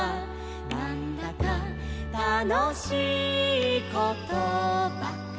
「なんだかたのしいことばかり」